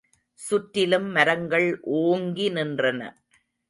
சுற்றிலும் மரங்கள் ஓங்கி நின்றன.